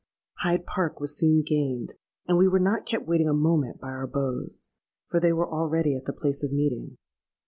Hyde Park was soon gained; and we were not kept waiting a moment by our beaux—for they were already at the place of meeting.